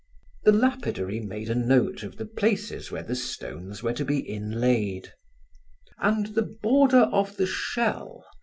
The lapidary made a note of the places where the stones were to be inlaid. "And the border of the shell?"